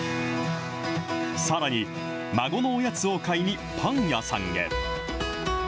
さらに、孫のおやつを買いにパン屋さんへ。